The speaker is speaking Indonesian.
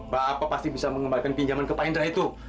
bapak pasti bisa mengembalikan pinjaman ke pak indra itu